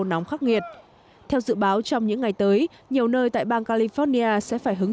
nóng khắc nghiệt theo dự báo trong những ngày tới nhiều nơi tại bang california sẽ phải hứng